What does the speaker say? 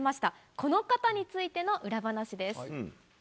この方についての裏話です。